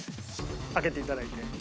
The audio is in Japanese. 開けていただいて。